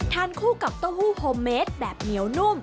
ทานคู่กับโต๊ะหู้โพรเมสแบบเหนียวนุ่ม